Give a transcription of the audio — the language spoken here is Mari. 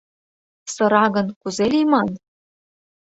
Сыра гын, кузе лийман?